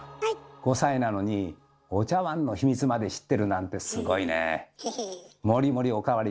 ５歳なのにお茶わんの秘密まで知ってるなんてすごいね！へへ。